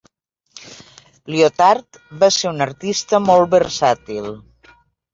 Liotard va ser un artista molt versàtil.